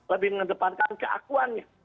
lebih mengedepankan keakuannya